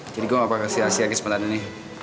jadi gue gak mau kasih asia ke sementara ini